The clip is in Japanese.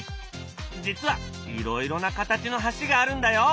実はいろいろな形の橋があるんだよ。